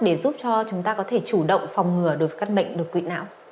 để giúp cho chúng ta có thể chủ động phòng ngừa được các bệnh đột quỵ não